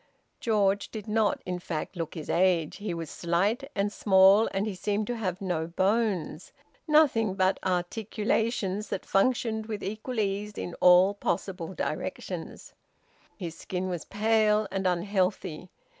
George did not in fact look his age. He was slight and small, and he seemed to have no bones nothing but articulations that functioned with equal ease in all possible directions. His skin was pale and unhealthy.